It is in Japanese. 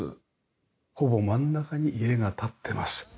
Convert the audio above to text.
ほぼ真ん中に家が立ってます。